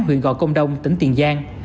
huyện gò công đông tỉnh tiền giang